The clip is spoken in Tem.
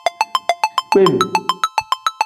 Kpem.